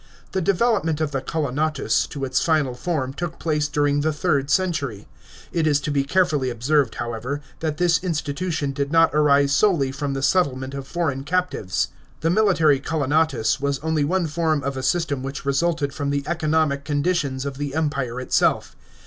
The development of the colonatus to its final form took place during the third century. It is to be carefully observed, however, that this institution did not arise solely from the sett.ement of foreign captives. The military co onatus was only one form of a system which resulted from the economic conditions of the Empire itself.